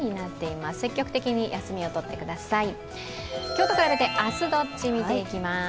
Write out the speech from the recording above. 今日と比べて明日どっち、見ていきます。